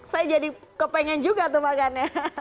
saya jadi kepengen juga tuh makannya